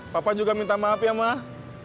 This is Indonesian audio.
papa juga minta maaf ya mah